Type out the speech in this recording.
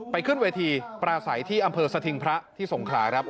ขึ้นเวทีปราศัยที่อำเภอสถิงพระที่สงขลาครับ